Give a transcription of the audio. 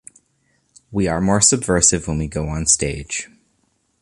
We are more subversive when we go on stage.